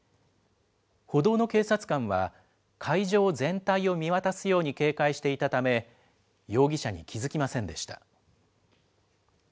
歩道の警察官は会場全体を見渡すように警戒していたため、容疑者に気付きませんでした。